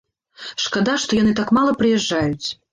Шкада, што яны так мала прыязджаюць.